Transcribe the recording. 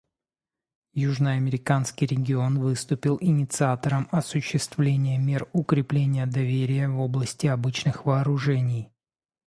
Южноамериканский регион выступил инициатором осуществления мер укрепления доверия в области обычных вооружений.